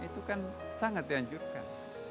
itu kan sangat dianjurkan